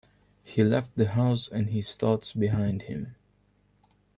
He left the house and his thoughts behind him.